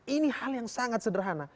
ini hal yang sangat sederhana